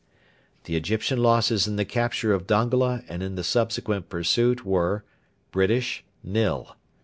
The Egyptian losses in the capture of Dongola and in the subsequent pursuit were: British, nil.